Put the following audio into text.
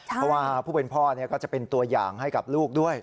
เพราะว่าผู้เป็นพ่อก็จะเป็นตัวอย่างให้กับลูกด้วย